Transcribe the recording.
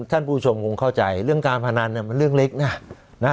ท่านผู้ชมคงเข้าใจเรื่องการพนันมันเรื่องเล็กนะ